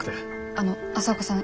あの朝岡さん